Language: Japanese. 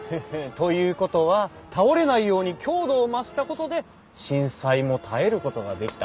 ということは倒れないように強度を増したことで震災も耐えることができた。